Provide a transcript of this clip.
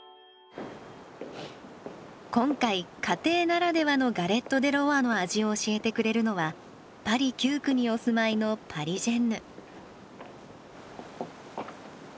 今回家庭ならではのガレット・デ・ロワの味を教えてくれるのはパリ９区にお住まいのパリジェンヌ。